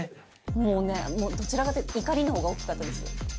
もうね、どちらかというと怒りのほうが大きかったです。